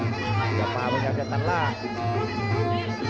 สะยำมาเหมือนกับอย่างนั้นล่ะ